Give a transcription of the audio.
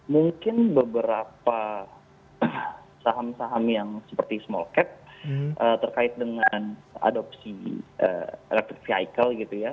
mungkin beberapa saham saham yang seperti small cap terkait dengan adopsi electric vehicle gitu ya